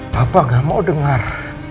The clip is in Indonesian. papa gak mau dengar